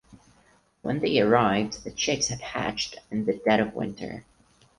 When they arrived the chicks had hatched in the dead of winter.